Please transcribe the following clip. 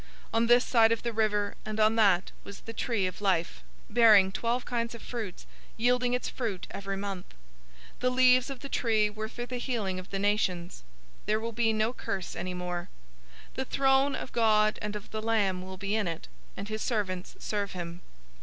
On this side of the river and on that was the tree of life, bearing twelve kinds of fruits, yielding its fruit every month. The leaves of the tree were for the healing of the nations. 022:003 There will be no curse any more. The throne of God and of the Lamb will be in it, and his servants serve him.